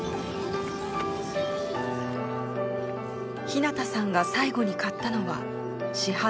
ひなたさんが最後に買ったのは市販の薬。